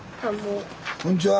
こんにちは。